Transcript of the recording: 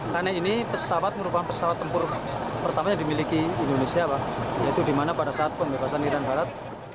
karena ini pesawat merupakan pesawat tempur pertama yang dimiliki indonesia yaitu dimana pada saat pembebasan nirian barat